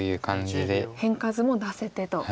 変化図も出せてと。